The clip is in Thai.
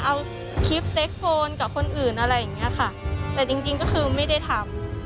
เอาคลิปเซ็กโฟนกับคนอื่นอะไรอย่างเงี้ยค่ะแต่จริงจริงก็คือไม่ได้ทำ